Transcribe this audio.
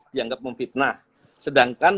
dianggap memfitnah sedangkan